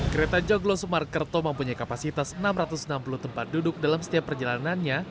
kereta joglo sumarkerto mempunyai kapasitas enam ratus enam puluh tempat duduk dalam setiap perjalanannya